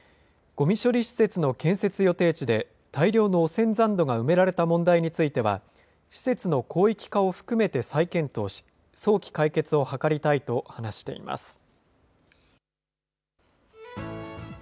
ごみ処理施設の建設予定地で大量の汚染残土が埋められた問題については、施設の広域化を含めて再検討し、早期解決を図りたいと話しています。